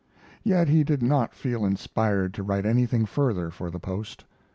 Yet he did not feel inspired to write anything further for the Post.